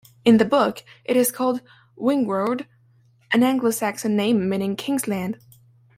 In the book it is called "Wingreurde", an Anglo-Saxon name meaning "King's Land.